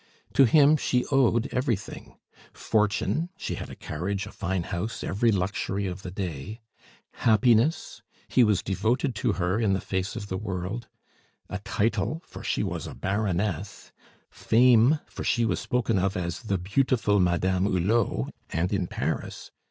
To him she owed everything: fortune she had a carriage, a fine house, every luxury of the day; happiness he was devoted to her in the face of the world; a title, for she was a Baroness; fame, for she was spoken of as the beautiful Madame Hulot and in Paris!